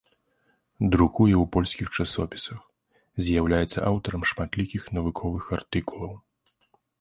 Друкуе ў польскіх часопісах, з'яўляецца аўтарам шматлікіх навуковых артыкулаў.